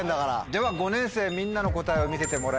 では５年生みんなの答えを見せてもらいましょう。